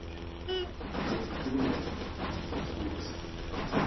で子どもは？おりません。